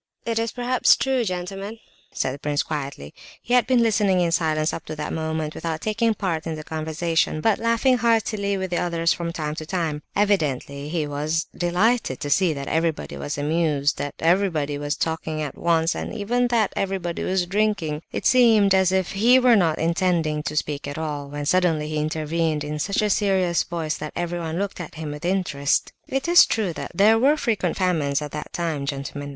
"It is perhaps true, gentlemen," said the prince, quietly. He had been listening in silence up to that moment without taking part in the conversation, but laughing heartily with the others from time to time. Evidently he was delighted to see that everybody was amused, that everybody was talking at once, and even that everybody was drinking. It seemed as if he were not intending to speak at all, when suddenly he intervened in such a serious voice that everyone looked at him with interest. "It is true that there were frequent famines at that time, gentlemen.